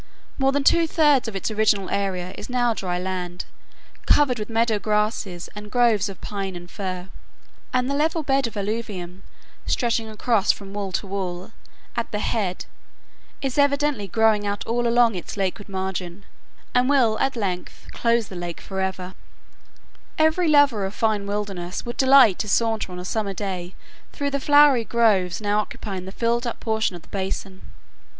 More than two thirds of its original area is now dry land, covered with meadow grasses and groves of pine and fir, and the level bed of alluvium stretching across from wall to wall at the head is evidently growing out all along its lakeward margin, and will at length close the lake forever. [Illustration: SHADOW LAKE (MERCED LAKE), YOSEMITE NATIONAL PARK.] Every lover of fine wildness would delight to saunter on a summer day through the flowery groves now occupying the filled up portion of the basin.